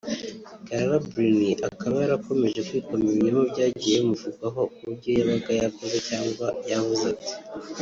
Carla Bruni akaba yarakomeje kwikoma ibinyoma byagiye bimuvugwaho kubyo yabaga yakoze cyangwa yavuze ati